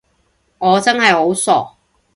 我真係好傻